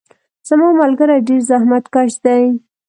زما ملګري ډیر زحمت کش دي.